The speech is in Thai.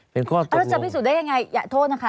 แล้วจะพิสูจนได้ยังไงอย่าโทษนะคะ